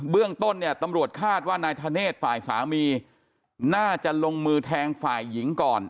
เรื่องต้นเนี่ยตำรวจคาดว่านายธเนธฝ่ายสามีน่าจะลงมือแทงฝ่ายหญิงก่อน